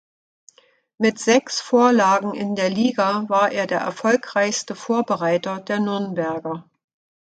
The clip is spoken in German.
Mit sechs Vorlagen in der Liga war er der erfolgreichste Vorbereiter der Nürnberger.